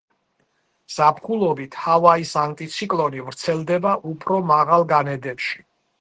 ზაფხულობით ჰავაის ანტიციკლონი ვრცელდება უფრო მარალ განედებში.